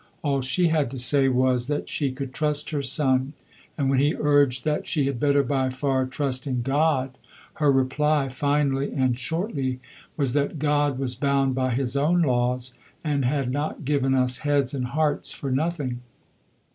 All she had to say was that she could trust her son; and when he urged that she had better by far trust in God, her reply, finally and shortly, was that God was bound by His own laws and had not given us heads and hearts for nothing.